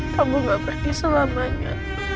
kamu gak pergi selamanya